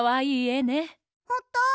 ほんと？